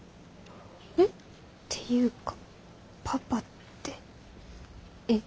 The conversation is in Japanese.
えっ？ていうかパパってえっ？